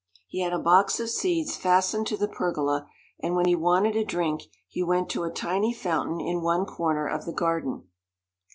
He had a box of seeds fastened to the pergola, and when he wanted a drink, he went to a tiny fountain in one corner of the garden.